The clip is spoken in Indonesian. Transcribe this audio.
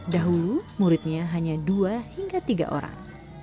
dahulu muridnya hanya dua hingga tiga orang